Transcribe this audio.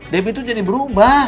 debbie tuh jadi berubah